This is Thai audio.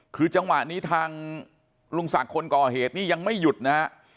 คือจังหวะนี้ทางลุงศักดิ์คนก่อเหตุนี่ยังไม่หยุดนะฮะ